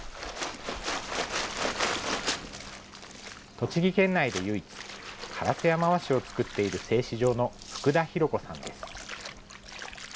栃木県内で唯一、烏山和紙を作っている製紙場の福田博子さんです。